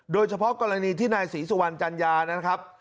โดยเฉพาะกรณีที่นายศรีสุวรรณจัญญานะครับ